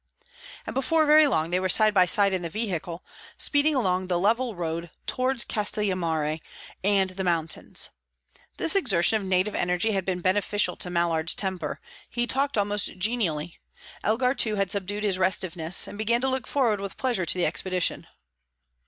And before very long they were side by side in the vehicle, speeding along the level road towards Castellammare and the mountains. This exertion of native energy had been beneficial to Mallard's temper; he talked almost genially. Elgar, too, had subdued his restiveness, and began to look forward with pleasure to the expedition.